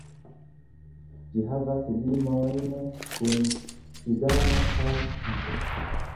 Ĝi havas limojn kun Sudano kaj Ĉado.